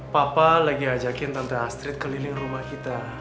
papa lagi ajakin tante astrid keliling rumah kita